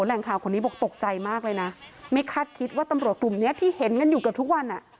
แหล่งข่าวคนนี้บอกตกใจมากเลยนะไม่คาดคิดว่าตำรวจกลุ่มเนี้ยที่เห็นกันอยู่เกือบทุกวันอ่ะ